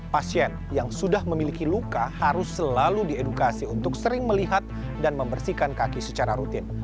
pasien yang sudah memiliki luka harus selalu diedukasi untuk sering melihat dan membersihkan kaki secara rutin